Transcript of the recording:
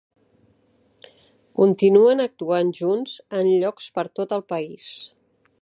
Continuen actuant junts en llocs per tot el país.